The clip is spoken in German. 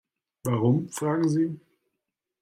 Warum, fragen Sie?